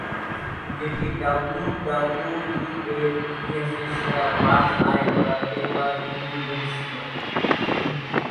যেটি ডাব্লিউডাব্লিউই এর ইতিহাসে সেরা পাঁচ আয় করা পে-পার-ভিউ ইভেন্ট ছিল।